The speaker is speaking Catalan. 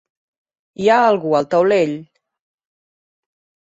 Hi ha algú al taulell.